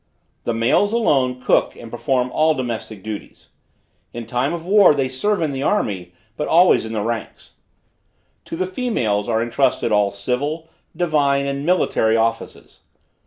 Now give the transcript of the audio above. The males alone cook and perform all domestic duties. In time of war, they serve in the army, but always in the ranks. To the females, are entrusted all civil, divine and military offices.